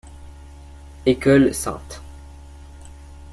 École St.